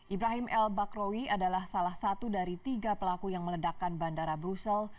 ibrahim l bakrowi adalah salah satu dari tiga pelaku yang meledakan bandara brussel